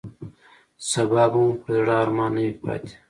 سبا به مو پر زړه ارمان نه وي پاتې.